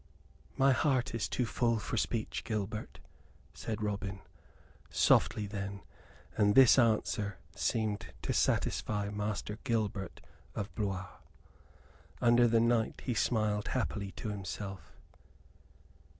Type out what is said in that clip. "My heart is too full for speech, Gilbert," said Robin, softly then; and this answer seemed to satisfy Master Gilbert of Blois. Under the night he smiled happily to himself.